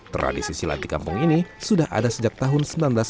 tradisi silat di kampung ini sudah ada sejak tahun seribu sembilan ratus sembilan puluh